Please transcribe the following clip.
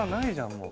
もう。